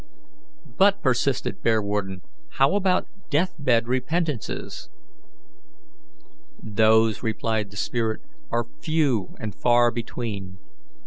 "But," persisted Bearwarden, "how about death bed repentances?" "Those," replied the spirit, "are few and far between.